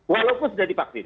walaupun sudah divaksin